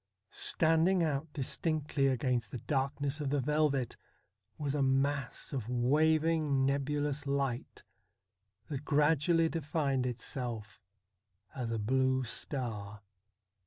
Standing out distinctly against the dark ness of the velvet was a mass of waving nebulous light, that gradually defined itself as a blue star.